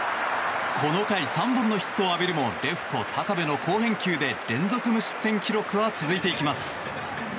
この回３本のヒットを浴びるもレフト、高部の好返球で連続無失点記録は続いていきます。